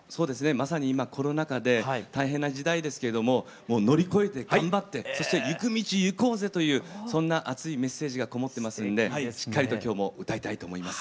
まさに今コロナ禍で大変な時代ですけれどももう乗り越えて頑張ってそして行く道行こうぜというそんな熱いメッセージがこもってますんでしっかりと今日も歌いたいと思います。